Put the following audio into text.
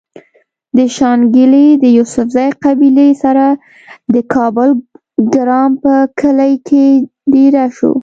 د شانګلې د يوسفزۍقبيلې سره د کابل ګرام پۀ کلي کې ديره شو